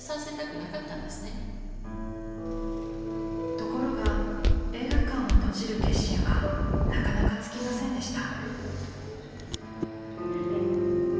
ところが映画館を閉じる決心はなかなかつきませんでした。